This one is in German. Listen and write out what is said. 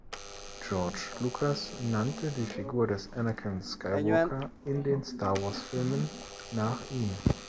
George Lucas nannte die Figur des „Anakin Skywalker“ in den "Star-Wars"-Filmen nach ihm.